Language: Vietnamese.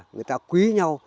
người ta quý nhau